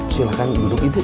silahkan duduk itu